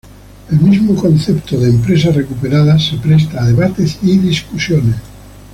El mismo concepto de empresa recuperada se presta a debates y discusiones.